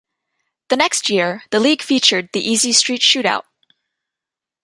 The next year, the league featured the "Easy Street Shootout".